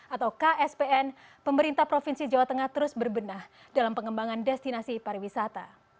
atau kspn pemerintah provinsi jawa tengah terus berbenah dalam pengembangan destinasi pariwisata